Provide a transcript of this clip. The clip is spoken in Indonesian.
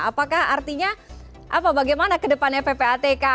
apakah artinya apa bagaimana ke depannya ppatk